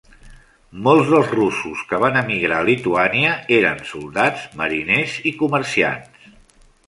Molts dels russos que van emigrar a Lituània eren soldats, mariners i comerciants.